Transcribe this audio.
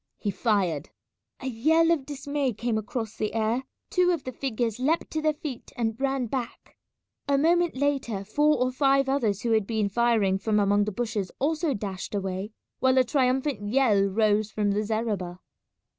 He fired. A yell of dismay came across the air; two of the figures leapt to their feet and ran back. A moment later four or five others who had been firing from among the bushes also dashed away, while a triumphant yell rose from the zareba.